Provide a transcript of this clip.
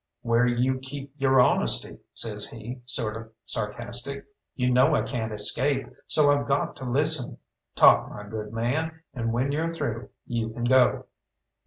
"Where you keep your honesty," says he, sort of sarcastic. "You know I can't escape, so I've got to listen. Talk, my good man, and when you're through you can go."